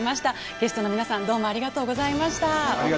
ゲストの皆さんどうもありがとうございました。